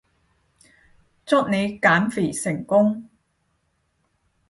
祝你減肥成功